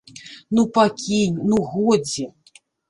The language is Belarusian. Ну, пакінь, ну, годзе.